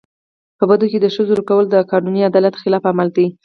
په بدو کي د ښځو ورکول د قانوني عدالت خلاف عمل دی.